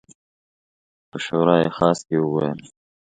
په شورای خاص کې وویل.